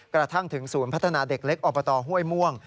กระทั่งถึงศูนย์พัฒนาเด็กเล็กอบตห้วยม่วง